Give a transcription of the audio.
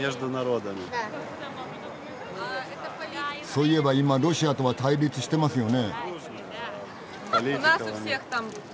そういえば今ロシアとは対立してますよね？